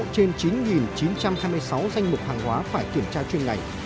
sáu bảy trăm bảy mươi sáu trên chín chín trăm hai mươi sáu danh mục hàng hóa phải kiểm tra chuyên ngành